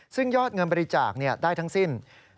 ซึ่งยอดเงินบริจาคได้ทั้งสิ้น